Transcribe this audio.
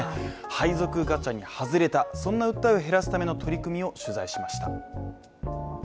配属ガチャに外れた、そんな訴えを減らすための取り組みを取材しました。